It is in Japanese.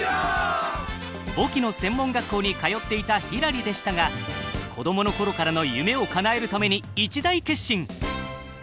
簿記の専門学校に通っていたひらりでしたが子供の頃からの夢をかなえるために一大決心。